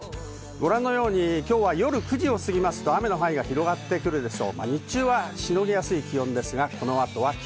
ご覧のように、きょうは夜９時を過ぎますと雨の範囲が広がってくるでしょう。